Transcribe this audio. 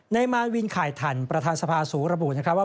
ในมารวินไข่ถันประธานสภาษูระบุว่า